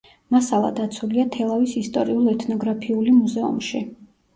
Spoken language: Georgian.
მასალა დაცულია თელავის ისტორიულ-ეთნოგრაფიული მუზეუმში.